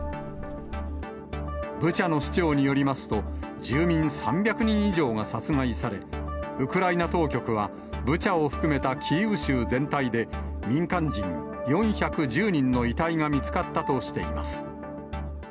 ブチャの市長によりますと、住民３００人以上が殺害され、ウクライナ当局は、ブチャを含めたキーウ州全体で民間人４１０人の遺体が見つかったとしています。